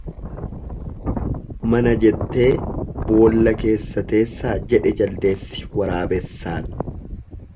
Mana jettee boolla keessa teessaa jedhe jaldeessi waraabessaan.